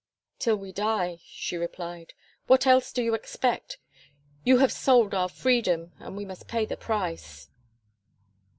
"Till we die," she replied. "What else do you expect? You have sold our freedom, and we must pay the price."